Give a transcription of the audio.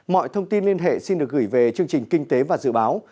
mọi thông tin liên hệ xin được gửi về chương trình kinh tế và dự báo